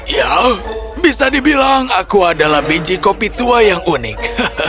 ya bisa dibilang aku adalah biji kopi tua yang unik